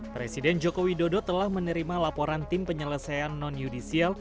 presiden jokowi dodo telah menerima laporan tim penyelesaian non judisial